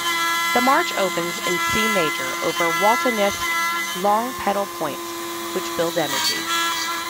The march opens in C major over Waltonesque long pedal points, which build energy.